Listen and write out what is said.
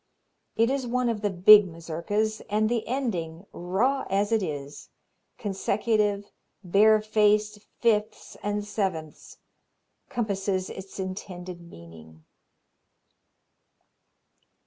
It is one of the big Mazurkas, and the ending, raw as it is consecutive, bare faced fifths and sevenths compasses its intended meaning.